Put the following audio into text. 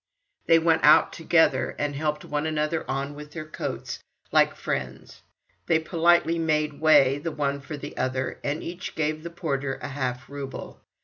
They went out together, and helped one another on with their coats, like friends: they politely made way the one for the other, and each gave the porter a half rouble.